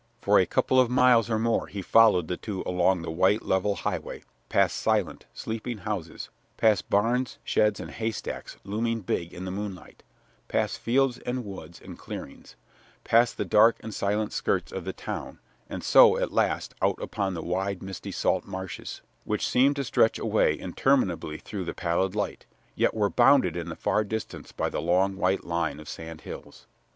For a couple of miles or more he followed the two along the white, level highway, past silent, sleeping houses, past barns, sheds, and haystacks, looming big in the moonlight, past fields, and woods, and clearings, past the dark and silent skirts of the town, and so, at last, out upon the wide, misty salt marshes, which seemed to stretch away interminably through the pallid light, yet were bounded in the far distance by the long, white line of sand hills.